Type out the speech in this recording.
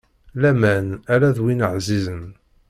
Laman ala d win ɛzizen.